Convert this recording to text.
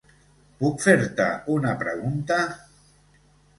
Puc fer-te una pregunta?